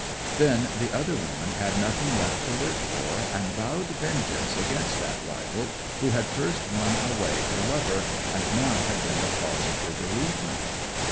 'Then the other woman had nothing left to live for, and vowed vengeance against that rival who had first won away her lover, and now had been the cause of her bereavement.